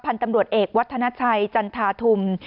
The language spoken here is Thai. พันธุ์ตำรวจเอกวัฒนชัยจันทาธุม